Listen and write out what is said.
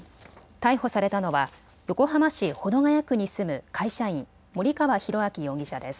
逮捕されたのは横浜市保土ヶ谷区に住む会社員、森川浩昭容疑者です。